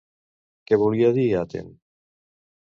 Què volia dir Aten?